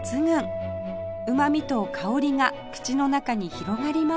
うまみと香りが口の中に広がります